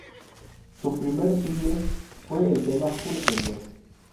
Su primer single fue el tema "Puro temblor".